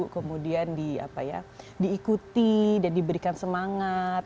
kemudian diikuti dan diberikan semangat